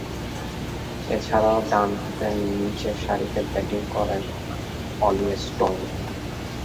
এছাড়াও, ডানহাতে নিচেরসারিতে ব্যাটিং করেন অলি স্টোন।